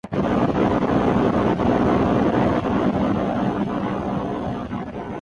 Demà passat na Gina anirà a Olivella.